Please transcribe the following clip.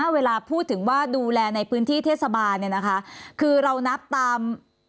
เวลาพูดถึงว่าดูแลในพื้นที่เทศบาลเนี่ยนะคะคือเรานับตาม